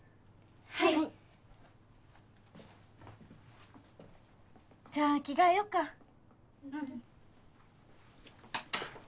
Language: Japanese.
はいじゃあ着替えよっかうん